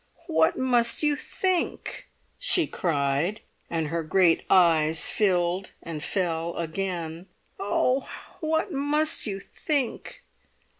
"What must you think!" she cried, and her great eyes filled and fell again. "Oh! what must you think?"